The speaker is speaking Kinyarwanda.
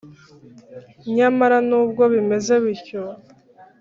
nyamara n’ubwo bimeze bityo